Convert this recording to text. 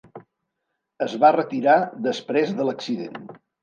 Es va retirar després de l'accident.